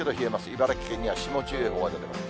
茨城県には霜注意報が出てます。